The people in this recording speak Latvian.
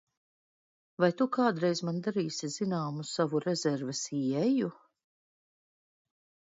Vai tu kādreiz man darīsi zināmu savu rezerves ieeju?